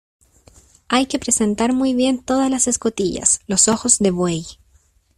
hay que presentar muy bien todas las escotillas, los ojos de buey